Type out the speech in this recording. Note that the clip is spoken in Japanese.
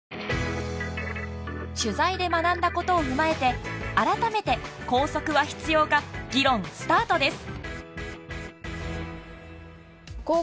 取材で学んだことを踏まえて改めて校則は必要か議論スタートです。